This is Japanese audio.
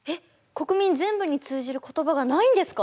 国民全部に通じる言葉がないんですか？